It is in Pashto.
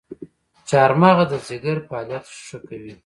چارمغز د ځیګر فعالیت ښه کوي.